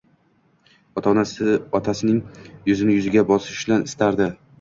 Otasi-ning yuzini yuziga bosishini istardi.